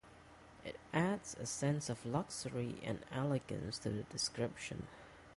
It adds a sense of luxury and elegance to the description.